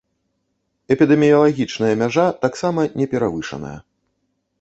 Эпідэміялагічная мяжа таксама не перавышаная.